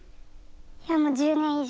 いやもう１０年以上。